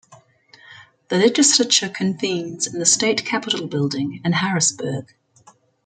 The legislature convenes in the State Capitol building in Harrisburg.